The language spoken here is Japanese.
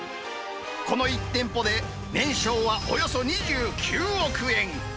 この１店舗で、年商はおよそ２９億円。